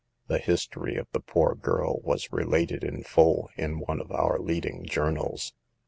The history of the poor girl was re lated in full in one of our leading journals.